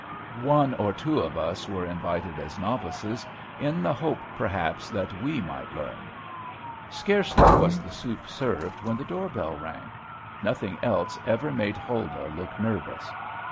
One or two of us were invited as novices, in the hope perhaps that we might learn. Scarcely was the soup served when the door bell rang. Nothing else ever made Huldah look nervous.